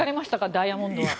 ダイヤモンドは。